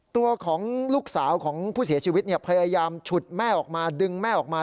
ตัวของลูกสาวของผู้เสียชีวิตพยายามฉุดแม่ออกมาดึงแม่ออกมา